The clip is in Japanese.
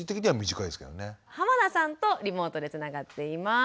濱名さんとリモートでつながっています。